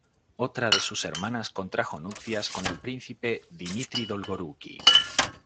Otra de sus hermanas contrajo nupcias con el príncipe Dmitri Dolgoruki.